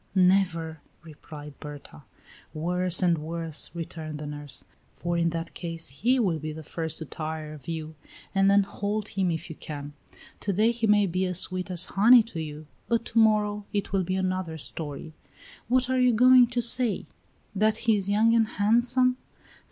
"Never," replied Berta. "Worse and worse," returned the nurse; "for in that case he will be the first to tire of you, and then hold him if you can. To day he may be as sweet as honey to you, but to morrow it will be another story. What are you going to say? That he is young, and handsome?